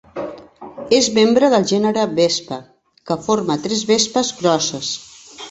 És membre del gènere Vespa, que forma tres vespes grosses.